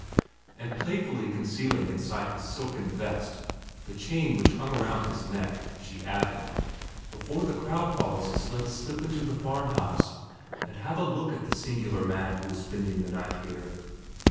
and playfully concealing inside his silken vest the chain which hung around his neck she added, "Before the crowd follows us let us slip into the farm house and have a look at the singular man who is spending the night here."